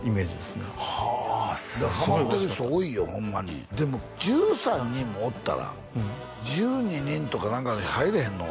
すごいだからハマってる人多いよホンマにでも１３人もおったら１２人とか何かに入れへんの？